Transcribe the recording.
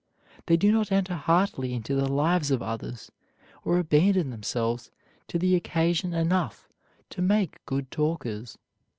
They do not enter heartily into the lives of others, or abandon themselves to the occasion enough to make good talkers.